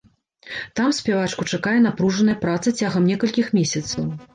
Там спявачку чакае напружаная праца цягам некалькіх месяцаў.